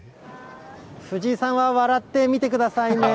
藤井さんは笑って見てくださいね。